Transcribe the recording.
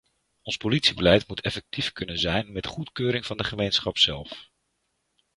Ons politiebeleid moet effectief kunnen zijn met goedkeuring van de gemeenschap zelf.